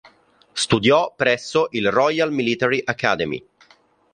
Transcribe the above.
Studiò presso il Royal Military Academy.